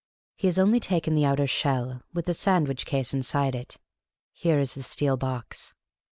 " He has only taken the outer shell, with the sandwich case inside it. Here is the steel box